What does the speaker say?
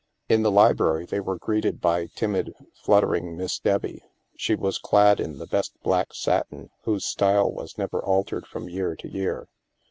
In the library, they were greeted by timid, flut tering Miss Debbie. She was clad in the best black satin whose style was never altered from year to year.